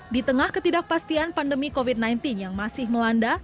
di tengah ketidakpastian pandemi covid sembilan belas yang masih melanda